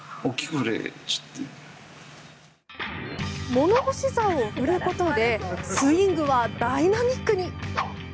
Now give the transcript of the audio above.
物干しざおを振ることでスイングはダイナミックに。